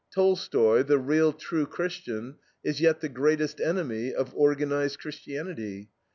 Tolstoy, the real, true Christian, is yet the greatest enemy of organized Christianity.